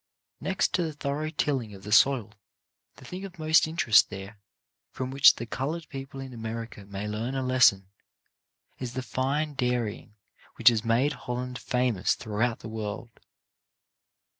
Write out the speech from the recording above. Next to the thorough tilling of the soil, the thing of most interest there, from which the coloured 74 CHARACTER BUILDING people in America may learn a lesson, is the fine dairying which has made Holland famous through out the world.